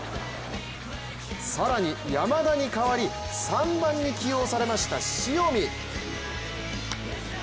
更に山田に代わり、３番に起用されました塩見。